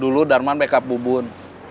dulu darman backup bubun